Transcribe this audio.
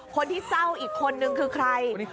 คนที่เศร้าอีกคนนึงคือใคร